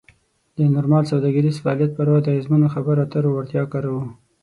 د نورمال سوداګریز فعالیت پر وخت د اغیزمنو خبرو اترو وړتیا کاروو.